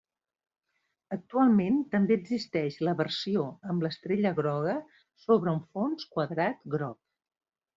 Actualment, també existeix la versió amb l'estrella groga sobre un fons quadrat groc.